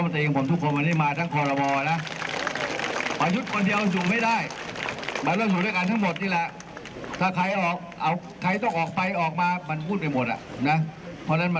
ไม่ได้มีเจษนาจะเพื่ออะไรทั้งสิ้นเลยนะ